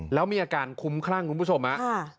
แล้วมีอาการคุ้มคลั่งคุณผู้ชมฮะ